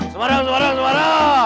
semarang semarang semarang